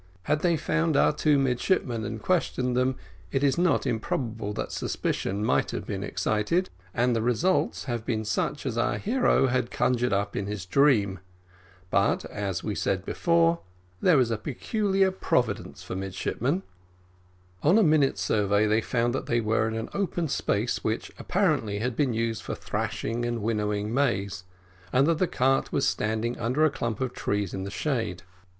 Had they found our two midshipmen and questioned them, it is not improbable that suspicion might have been excited, and the results have been such as our hero had conjured up in his dream. But, as we said before, there is a peculiar providence for midshipmen. On a minute survey, they found that they were in an open space which, apparently, had been used for thrashing and winnowing maize, and that the cart was standing under a clump of trees in the shade.